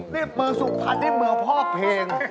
นี่มือสู่พันธุ์นี่มือพ่อเพลง